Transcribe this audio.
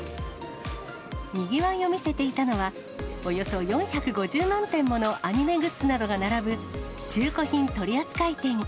にぎわいを見せていたのは、およそ４５０万点ものアニメグッズなどが並ぶ、中古品取扱店。